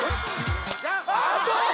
あっと！